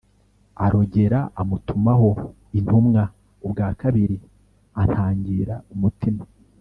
Arogera amutumaho intumwa ubwa kabiri antagira umutima